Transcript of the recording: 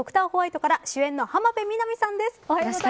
ホワイトから主演の浜辺美波さんです。